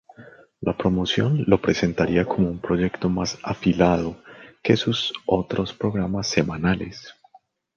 La promoción lo presentaría como un proyecto más "afilado" que sus otros programas semanales.